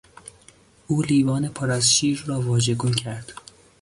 او لیوان پر از شیر را واژگون کرد.